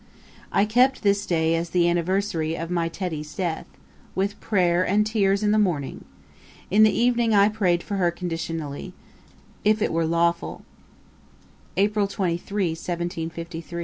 I kept this day as the anniversary of my Tetty's death, with prayer and tears in the morning. In the evening I prayed for her conditionally, if it were lawful.' [Page 237: Her wedding ring. Ætat 43.